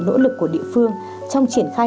nỗ lực của địa phương trong triển khai